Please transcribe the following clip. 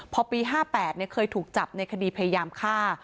พอปี๕๘เคยถูกจับในคดีพยายามฆ่า